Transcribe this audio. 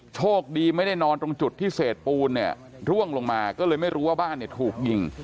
โชคดีไม่ได้นอนตรงจุดที่เศษปูนเนี่ยร่วงลงมาก็เลยไม่รู้ว่าบ้านเนี่ยถูกยิง